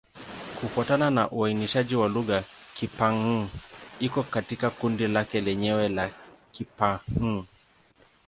Kufuatana na uainishaji wa lugha, Kipa-Hng iko katika kundi lake lenyewe la Kipa-Hng.